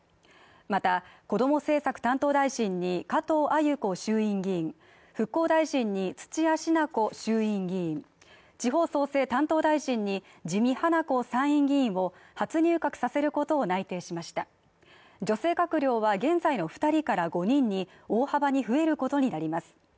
またこども政策担当大臣に加藤鮎子衆院議員復興大臣に土屋品子衆院議員地方創生担当大臣に自見英子参院議員を初入閣させることを内定しました女性閣僚は現在の二人から５人に大幅に増えることになります